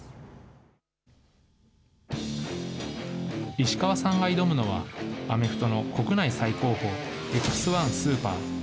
石川さんが挑むのは、アメフトの国内最高峰、Ｘ１ＳＵＰＥＲ。